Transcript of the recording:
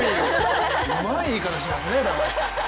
うまい言い方しますね、高橋さん。